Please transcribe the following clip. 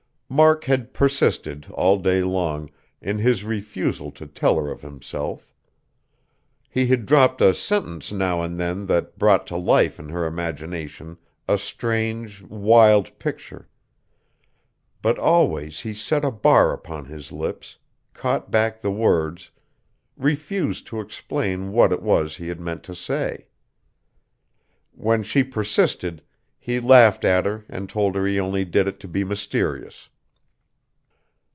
Mark had persisted, all day long, in his refusal to tell her of himself. He had dropped a sentence now and then that brought to life in her imagination a strange, wild picture.... But always he set a bar upon his lips, caught back the words, refused to explain what it was he had meant to say. When she persisted, he laughed at her and told her he only did it to be mysterious.